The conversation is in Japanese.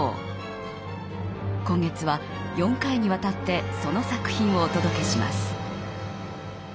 今月は４回にわたってその作品をお届けします。